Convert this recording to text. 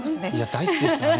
大好きですからね。